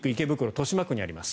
豊島区にあります。